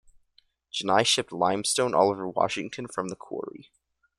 Janni shipped limestone all over Washington from the quarry.